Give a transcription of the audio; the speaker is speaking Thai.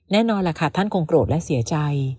แน่นอนล่ะค่ะท่านคงโกรธและเสียใจ